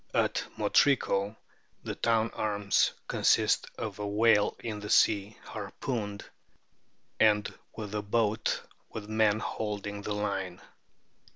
At Motrico the town arms consist of a whale in the sea, harpooned, and with a boat with men holding the line.